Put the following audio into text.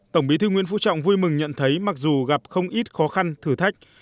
tổng bí thư nguyễn phú trọng vui mừng nhận thấy mặc dù gặp không ít khó khăn thử thách